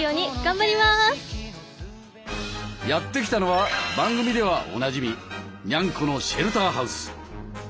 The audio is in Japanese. やって来たのは番組ではおなじみニャンコのシェルターハウス。